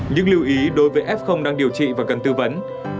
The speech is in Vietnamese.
những lưu ý đối với f đang điều trị và cần tư vấn